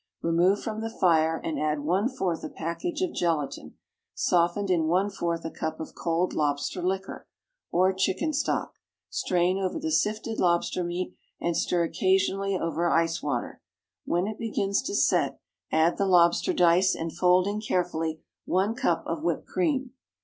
Remove from the fire and add one fourth a package of gelatine, softened in one fourth a cup of cold lobster liquor, or chicken stock; strain over the sifted lobster meat and stir occasionally over ice water; when it begins to set, add the lobster dice, and fold in carefully one cup of whipped cream.